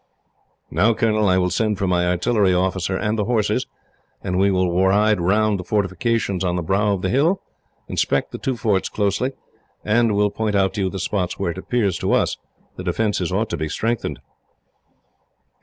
"Now, Colonel, I will send for my artillery officer and the horses, and we will ride round the fortifications on the brow of the hill, inspect the two forts closely, and will point out to you the spots where it appears to us the defences ought to be strengthened."